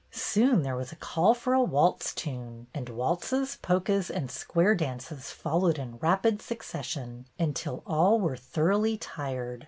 Soon there was a call for a waltz tune, and waltzes, polkas, and square dances followed in rapid succession until all were thoroughly tired.